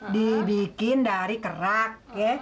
dibikin dari kerak ya